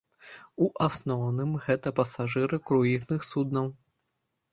У асноўным, гэта пасажыры круізных суднаў.